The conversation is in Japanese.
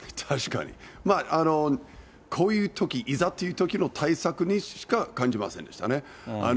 こういうとき、いざというときの対策にしか感じませんでしたね。